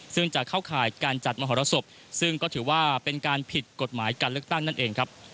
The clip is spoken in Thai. ซึ่งจะเข้าข่ายการจัดมหรสบซึ่งก็ถือว่าเป็นการผิดกฎหมายการเลือกตั้งนั่นเองครับ